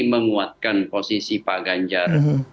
menguatkan posisi pak ganjar